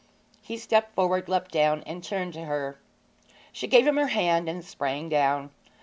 He stepped forward, leapt down, and turned to her. She gave him her hand and sprang down.